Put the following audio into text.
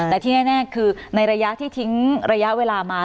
แต่ที่แน่คือในระยะที่ทิ้งระยะเวลามา